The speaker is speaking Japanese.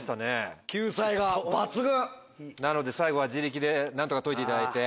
なので最後は自力で何とか解いていただいて。